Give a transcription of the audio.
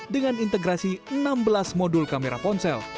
dengan integrasi enam belas modul kamera ponsel